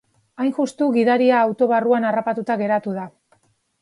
Hain justu, gidaria auto barruan harrapatuta geratu da.